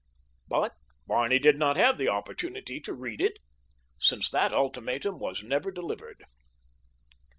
But Barney did not have the opportunity to read it, since that ultimatum was never delivered.